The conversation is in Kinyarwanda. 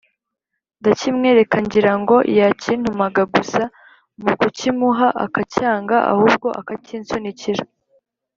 ndakimwereka ngira ngo yakintumaga gusa mukukimuha akacyanga ahubwo akakinsunikira,